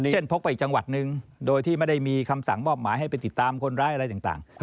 พกไปอีกจังหวัดนึงโดยที่ไม่ได้มีคำสั่งมอบหมายให้ไปติดตามคนร้ายอะไรต่าง